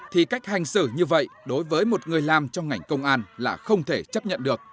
thì cách hành xử như vậy đối với một người làm trong ngành công an là không thể chấp nhận được